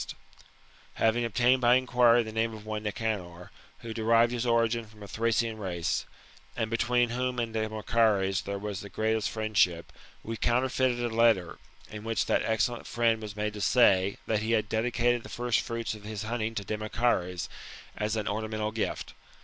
to THB ltBTAM0RPHCISI6> Olt "Having obtained by inquiry the name of one Nicanor* who derived bis origin from a Tharcian race, and between whom and Demochares there was the greatest friendship, we coimter feited a letter, in which that excellent friend was made to say, that he had dedicated the first fruits of his hunting to Demochares, as an ornamental gift.